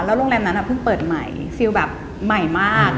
โรงแรมนั้นเพิ่งเปิดใหม่ฟิลแบบใหม่มาก